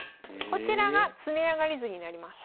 こちらが詰み上がり図になります。